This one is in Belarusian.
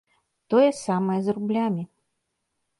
Тое самае з рублямі.